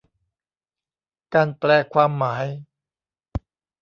การแปลความหมาย